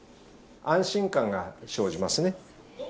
安心感が生じますね。